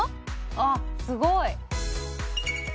「あっすごい！」